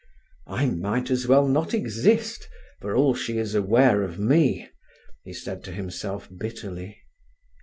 "I might as well not exist, for all she is aware of me," he said to himself bitterly.